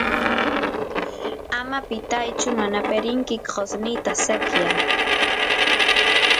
ama pitaychu manape rinki qosnita sekyay